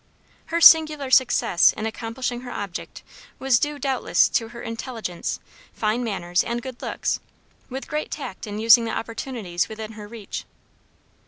Her singular success in accomplishing her object was due doubtless to her intelligence, fine manners, and good looks, with great tact in using the opportunities within her reach.